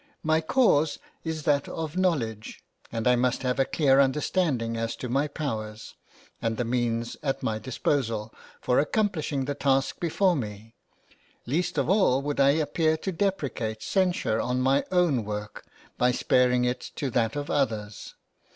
My cause is that of knowledge, and I must have a clear understanding as to my powers, {INTRODUCTION.} (xiii) and the means at my disposal, for accomplishing the task before me; least of all would I appear to deprecate censure on my own work by sparing it to that of others.